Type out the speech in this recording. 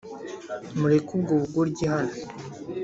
Mureke ubwo bugoryi hano